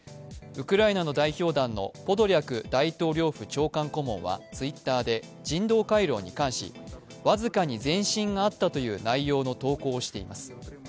ウクライナの代表団のポドリャク大統領府長官顧問はＴｗｉｔｔｅｒで人道回廊に関し僅かに前進があったという内容の投稿をしています。